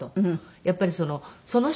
やっぱりその人